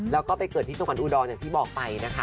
แล้วก็ไปเกิดที่จังหวัดอุดรอย่างที่บอกไปนะคะ